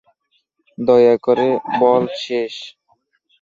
দয়া করে বল শেষ।